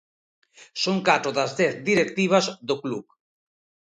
Son catro das dez directivas do club.